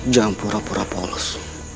jangan pura pura polos